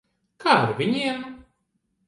Kā ar viņiem?